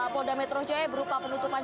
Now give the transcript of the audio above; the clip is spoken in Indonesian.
polda metro jaya berupa penutupan